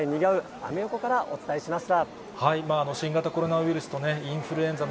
アメ横からお伝えしました。